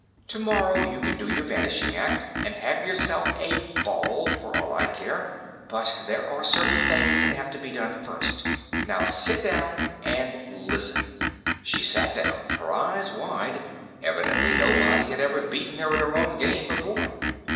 Tomorrow, you can do your vanishing act and have yourself a ball, for all I care. But there are certain things that have to be done first. Now, sit down and listen." She sat down, her eyes wide. Evidently, nobody had ever beaten her at her own game before.